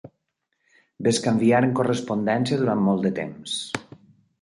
Bescanviaren correspondència durant molt de temps.